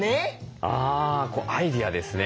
あアイデアですね。